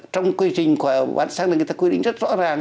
trong quy trình bán xăng là người ta quy định rất rõ ràng